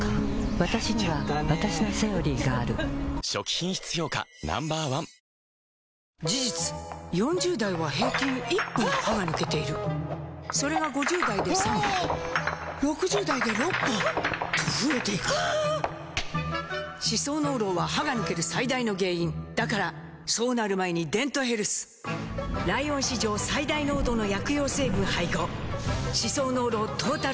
わたしにはわたしの「セオリー」がある初期品質評価 Ｎｏ．１ 事実４０代は平均１本歯が抜けているそれが５０代で３本６０代で６本と増えていく歯槽膿漏は歯が抜ける最大の原因だからそうなる前に「デントヘルス」ライオン史上最大濃度の薬用成分配合歯槽膿漏トータルケア！